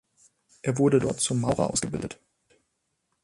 Er wurde dort zum Maurer ausgebildet.